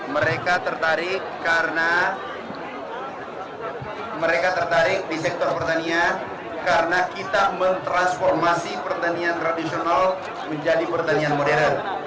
mereka tertarik karena mereka tertarik di sektor pertanian karena kita mentransformasi pertanian tradisional menjadi pertanian modern